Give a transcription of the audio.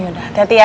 yaudah hati hati ya